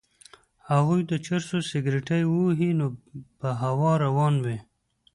هغوی د چرسو سګرټی ووهي نو په هوا روان وي.